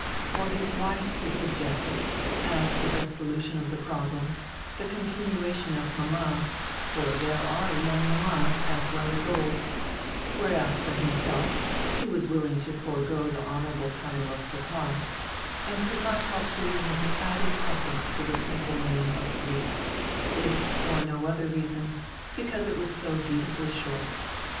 For his wife he suggested, as die best solution of die problem, die continuation of "Mama," for diere are young mamas, as well as old; whereas for himself, he was willing to forego die honorable title of "Papa," and could not help feeling a decided preference for die simple name of Briest, if for no other reason, because it was so beautifully short.